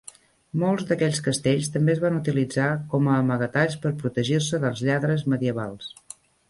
Molts d"aquests castells també es van utilitzar com a amagatalls per protegir-se dels lladres medievals.